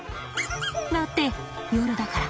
だって夜だから。